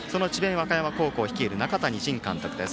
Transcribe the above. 和歌山高校を率いる中谷仁監督です。